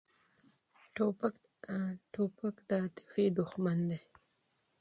توپک د عاطفې دښمن دی.